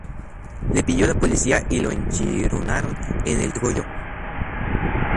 Le pilló la policía y lo enchironaron en el trullo